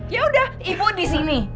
yaudah ibu disini